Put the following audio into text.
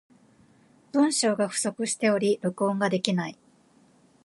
文章が不足しており、録音ができない。